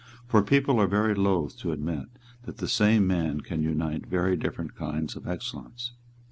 For people are very loth to admit that the same man can unite very different kinds of excellence.